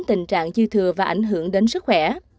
tình trạng dư thừa và ảnh hưởng đến sức khỏe